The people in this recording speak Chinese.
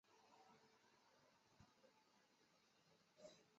芫花为瑞香科瑞香属下的一个种。